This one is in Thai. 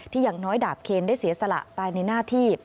อย่างน้อยดาบเคนได้เสียสละตายในหน้าที่